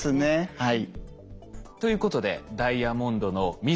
はい。